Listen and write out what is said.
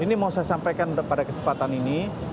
ini mau saya sampaikan pada kesempatan ini